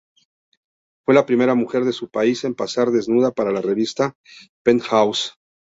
Fue la primera mujer de su país en posar desnuda para la revista "Penthouse".